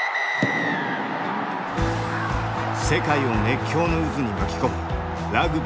世界を熱狂の渦に巻き込むラグビーワールドカップ。